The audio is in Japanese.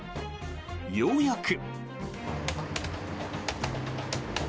ようやく。